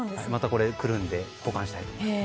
これ、くるんで保管したいと思います。